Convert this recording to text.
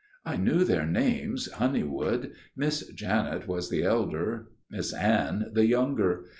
"I knew their names, Honeywood; Miss Janet was the elder, Miss Anne the younger.